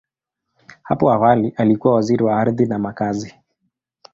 Hapo awali, alikuwa Waziri wa Ardhi na Makazi.